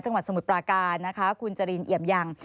จังหวัดสมุทรปลาการคุณจริงเอียบยัง